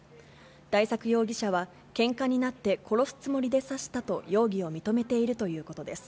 大作容疑者は、けんかになって殺すつもりで刺したと、容疑を認めているということです。